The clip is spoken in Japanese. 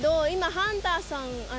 今ハンターさん